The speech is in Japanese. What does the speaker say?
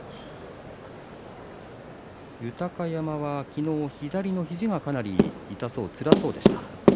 豊山は昨日、左の肘がかなり痛そうで、つらそうでした。